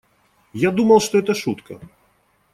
Я думал, что это шутка.